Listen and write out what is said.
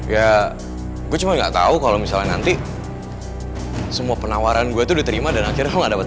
ya gue cuma nggak tahu kalau misalnya nanti semua penawaran gue diterima dan akhirnya nggak dapet